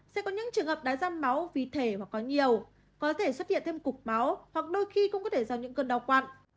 sẽ có những trường hợp đái răn máu vì thể hoặc có nhiều có thể xuất hiện thêm cục máu hoặc đôi khi cũng có thể do những cơn đau quặn